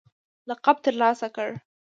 لقب ترلاسه کړ